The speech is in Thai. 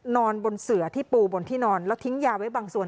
นอนบนเสือที่ปูบนที่นอนแล้วทิ้งยาไว้บางส่วน